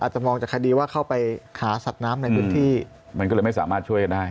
จะมองจากคดีว่าเข้าไปหาสัตว์น้ำในพื้นที่มันก็เลยไม่สามารถช่วยกันได้